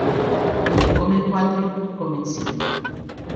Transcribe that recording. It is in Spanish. Donde comen cuatro, comen cinco